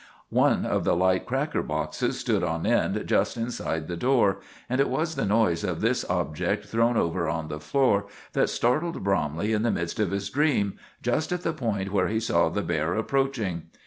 ] One of the light cracker boxes stood on end just inside the door, and it was the noise of this object thrown over on the floor that startled Bromley in the midst of his dream, just at the point where he saw the bear approaching.